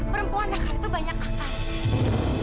perempuan akan itu banyak akal